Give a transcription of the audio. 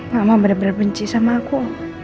mama bener bener benci sama aku